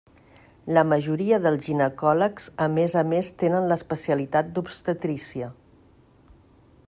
La majoria dels ginecòlegs a més a més tenen l'especialitat d'obstetrícia.